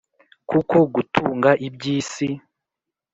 kuko gutunga iby’isi